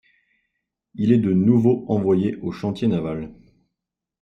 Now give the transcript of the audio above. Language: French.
Il est de nouveau envoyé aux chantiers navals.